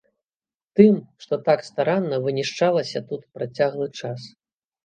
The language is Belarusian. Тым, што так старанна вынішчалася тут працяглы час.